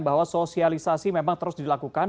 bahwa sosialisasi memang terus dilakukan